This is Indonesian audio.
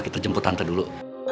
kita jemput tante dulu